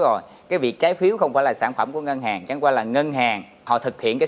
rồi cái việc trái phiếu không phải là sản phẩm của ngân hàng chẳng qua là ngân hàng họ thực hiện cái